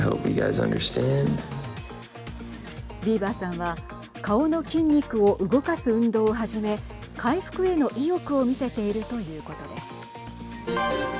ビーバーさんは顔の筋肉を動かす運動を始め回復への意欲を見せているということです。